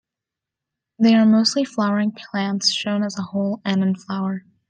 They are mostly flowering plants shown as a whole, and in flower.